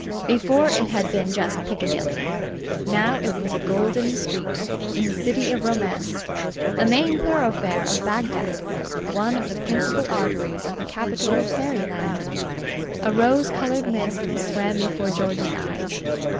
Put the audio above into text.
Before it had been just Piccadilly. Now it was a golden street in the City of Romance, a main thoroughfare of Bagdad, one of the principal arteries of the capital of Fairyland. A rose coloured mist swam before George's eyes.